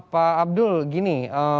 pak abdul gini